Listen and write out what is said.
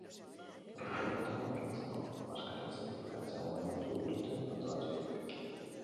Hori dela eta, haurrentzako bazkaria etxetik ekartzea gomendatu dute antolatzaileek.